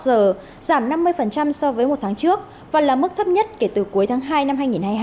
giờ giảm năm mươi so với một tháng trước và là mức thấp nhất kể từ cuối tháng hai năm hai nghìn hai mươi hai